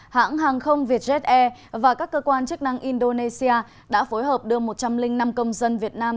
hãng hàng không vietjet air và các cơ quan chức năng indonesia đã phối hợp đưa một trăm linh năm công dân việt nam